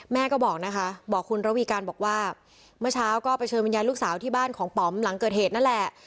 แม่ก็บอกนะคะบอกคุณระวีการบอกว่าเมื่อเช้าก็ไปเชิญวิญญาณลูกสาวที่บ้านของป๋อมหลังเกิดเหตุนั่นแหละ